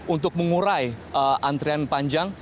untuk mengurai antrian panjang